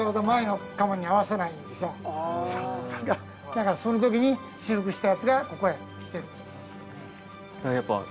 だからその時に修復したやつがここへ来てると。